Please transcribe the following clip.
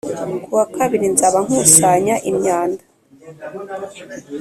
kuwakabiri nzaba nkusanya' imyanda